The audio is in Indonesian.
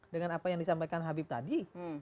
dengan apa yang disampaikan habib tadi